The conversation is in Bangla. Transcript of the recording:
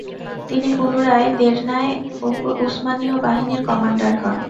তিনি পুনরায় দেরনায় উসমানীয় বাহিনীর কমান্ডার হন।